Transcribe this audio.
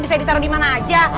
bisa ditaruh dimana aja